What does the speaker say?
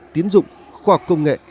tiến dụng khoa học công nghệ